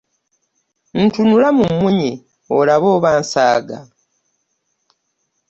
Ntunula mu mmunye olabe oba nsaaga.